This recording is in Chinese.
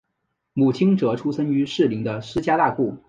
母亲则出身于士林的施家大户。